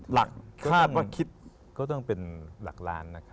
หลักคาดว่าคิดก็ต้องเป็นหลักล้านนะครับ